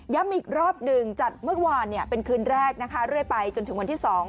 อีกรอบหนึ่งจัดเมื่อวานเป็นคืนแรกนะคะเรื่อยไปจนถึงวันที่๒